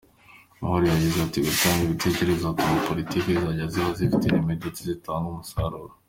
Mahoro yagize ati “Gutanga ibitekerezo bizatuma Politiki zizajya ziba zifite ireme ndetse zitange umusaruro.